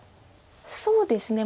そうですね